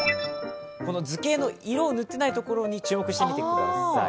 図形の色を塗っていないところに注目して見てください。